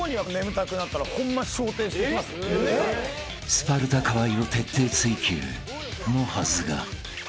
［スパルタ河井を徹底追及のはずが］